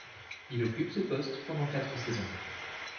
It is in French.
Il occupe ce poste pendant quatre saisons.